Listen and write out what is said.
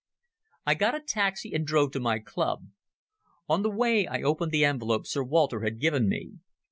I got a taxi and drove to my club. On the way I opened the envelope Sir Walter had given me.